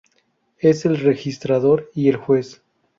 Es el registrador y el juez.